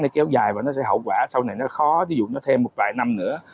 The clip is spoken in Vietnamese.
nó kéo dài và nó sẽ hậu quả sau này nó khó tí dụng nó thêm một vài năm nữa